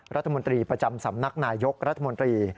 รัฐมนตรีประจำสำนักนายยกรัฐมนตรี